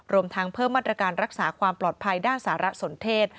รวมทั้งเพิ่มมาตรการรักษาความปลอดภัยด้านสารสนเทศ